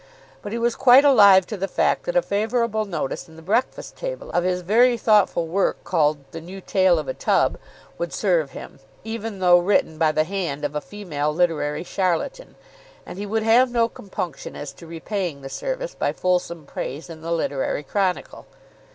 But he was quite alive to the fact that a favourable notice in the "Breakfast Table" of his very thoughtful work, called the "New Tale of a Tub," would serve him, even though written by the hand of a female literary charlatan, and he would have no compunction as to repaying the service by fulsome praise in the "Literary Chronicle."